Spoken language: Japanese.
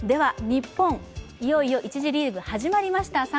日本、いよいよ一次リーグ始まりました。